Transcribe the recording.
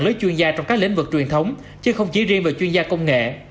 cho các chuyên gia trong các lĩnh vực truyền thống chứ không chỉ riêng về chuyên gia công nghệ